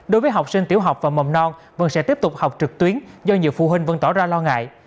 đối với học sinh tiểu học và mầm non vẫn sẽ tiếp tục học trực tuyến do nhiều phụ huynh vẫn tỏ ra lo ngại